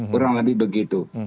kurang lebih begitu